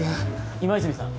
今泉さん。